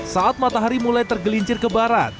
saat matahari mulai tergelincir ke barat